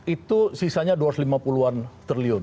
itu sisanya rp dua ratus lima puluh triliun